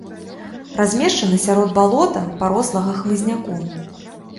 Размешчана сярод балота, парослага хмызняком.